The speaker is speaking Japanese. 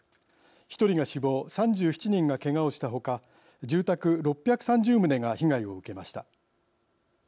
１人が死亡３７人がけがをした他住宅６３０棟が被害を受けました。